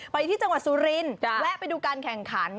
ไปที่จังหวัดสุรินทร์แวะไปดูการแข่งขัน